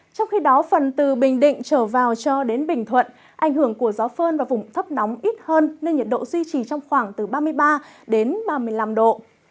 trong khi đó phần từ bình định trở vào cho đến bình thuận ảnh hưởng của gió phơn và vùng thấp nóng ít hơn nên nhiệt độ duy trì trong khoảng từ ba mươi ba đến ba mươi năm độ